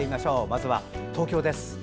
まずは東京です。